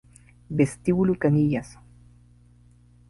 Vestíbulo Canillas